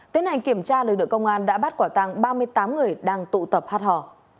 tiến hành kiểm tra lực lượng công an đã bắt quả tăng ba mươi tám người đang tụ tập hát hò